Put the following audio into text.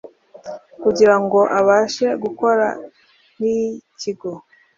kugirango abashe gukora nk'ikigo